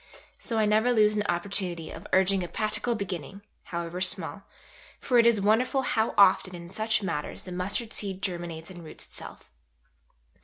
So I never lose an opportunity of urging a practical beginning, however small, for it is wonderful how often in such matters the mustard seed germinates and roots itself."